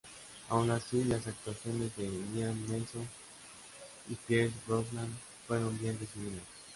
Aun así, las actuaciones de Liam Neeson y Pierce Brosnan fueron bien recibidas.